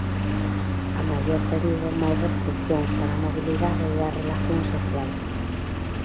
A maior perigo, máis restricións para a mobilidade e a relación social.